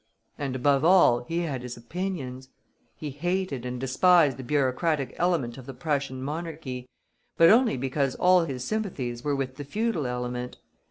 And, above all, he had his opinions. He hated and despised the bureaucratic element of the Prussian Monarchy, but only because all his sympathies were with the feudal element.